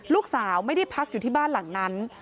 ลูกสาวไม่ได้พักอยู่ที่บ้านหลังนั้น